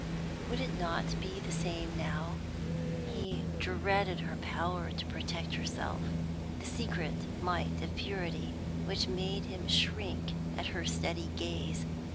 Would it not be the same now? He dreaded her power to protect herself, the secret might of purity which made him shrink at her steady gaze.